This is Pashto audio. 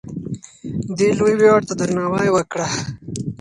دې لوی ویاړ ته درناوی وکړه.